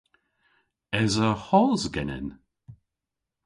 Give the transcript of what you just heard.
Esa hos genen?